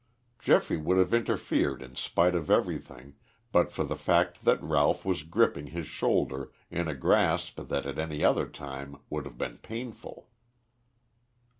Geoffrey would have interfered in spite of everything but for the fact that Ralph was gripping his shoulder in a grasp that at any other time would have been painful.